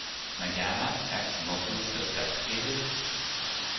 Magana, ex-vocalist of "Deprecated".